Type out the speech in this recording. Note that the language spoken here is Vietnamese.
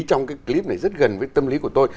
trong cái clip này rất gần với tâm lý của tôi